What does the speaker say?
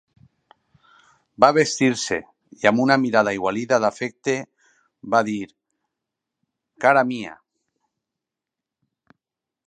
Va vestir-se i amb una mirada aigualida d'afecte, va dir-me cara mia!